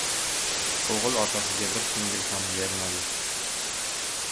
o‘g‘il otaga bir shingil ham bermadi.